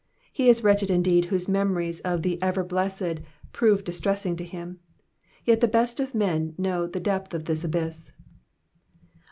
He is wretched indeed whose memories of The Ever Blessed prove distressing to him ; yet the best of men know the depth of this abyss.